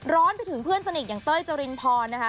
ไปถึงเพื่อนสนิทอย่างเต้ยจรินพรนะคะ